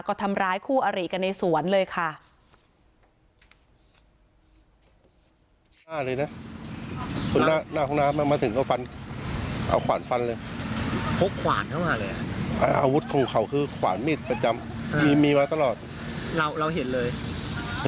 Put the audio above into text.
ก็ทำร้ายคู่อริกันในสวนเลยค่ะ